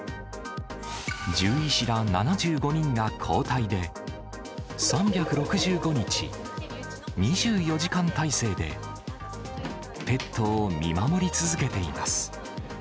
獣医師ら７５人が交代で、３６５日、２４時間体制で、ペットを見守り続けています。